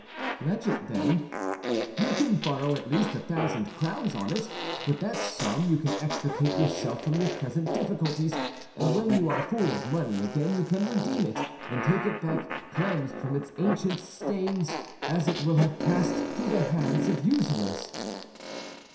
"Pledge it, then; you can borrow at least a thousand crowns on it. With that sum you can extricate yourself from your present difficulties; and when you are full of money again, you can redeem it, and take it back cleansed from its ancient stains, as it will have passed through the hands of usurers."